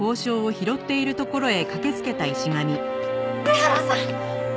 上原さん！